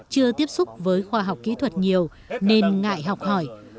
chưa tiếp xúc với khoa học kỹ thuật nhiều nên ngại học hỏi